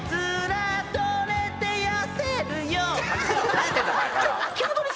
何やってんだ？